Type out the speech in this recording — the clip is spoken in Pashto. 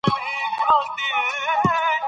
ګاز د افغان کلتور په داستانونو کې راځي.